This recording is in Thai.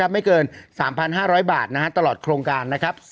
ไม่เกิน๓๕๐๐บาทตลอดโครงการ